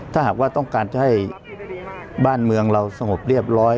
ถ้าหากว่าต้องการจะให้บ้านเมืองเราสงบเรียบร้อย